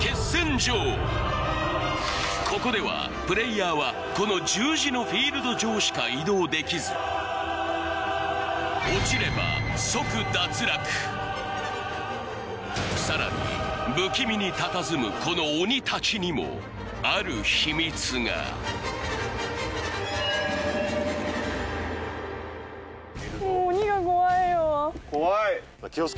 ここではプレイヤーはこの十字のフィールド上しか移動できずさらに不気味にたたずむこの鬼たちにもある秘密が・怖い